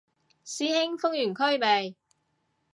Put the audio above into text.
師兄封完區未